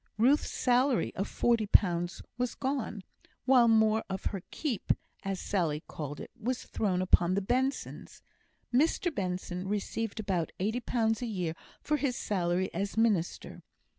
Ruth's salary of forty pounds was gone, while more of her "keep," as Sally called it, was thrown upon the Bensons. Mr Benson received about eighty pounds a year for his salary as minister.